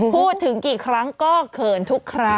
พูดถึงกี่ครั้งก็เขินทุกครั้ง